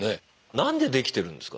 何で出来てるんですか？